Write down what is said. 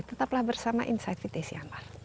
tetaplah bersama insight vtc anwar